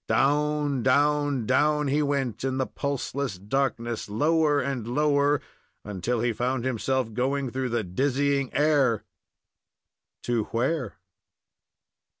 Down, down, down he went in the pulseless darkness, lower and lower, until he found himself going through the dizzying air to where?